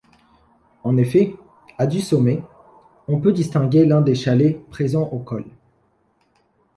En effet, à du sommet, on peut distinguer l’un des chalets présents au col.